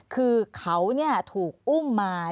คือเขาเนี่ยถูกอุ้มมา